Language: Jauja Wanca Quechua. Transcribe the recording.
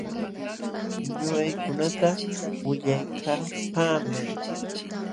Ñuqaykunata willaykapaamay.